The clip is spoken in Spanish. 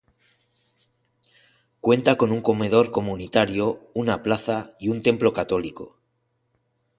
Cuenta con un comedor comunitario, una plaza y un templo católico.